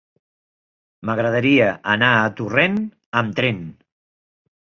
M'agradaria anar a Torrent amb tren.